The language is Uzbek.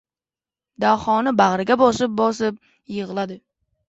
Dahoni bag‘riga bosib-bosib yig‘ladi.